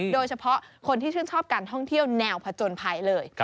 โดยเฉพาะคนที่ชื่นชอบการท่องเที่ยวแนวผจญภัยเลย